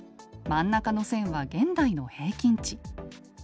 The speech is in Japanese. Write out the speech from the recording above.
真ん中の線は現代の平均値。